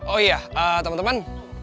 oh iya temen temen